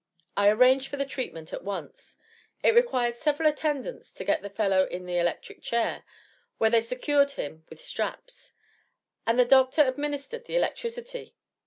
I arranged for the treatment at once. It required several attendants to get the fellow in the electric chair, where they secured him with straps; and then the doctor administered the electricity.